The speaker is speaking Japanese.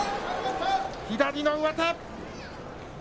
左の上手。